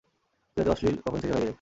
তুই এতো অশ্লীল কখন থেকে হয়ে গেলি?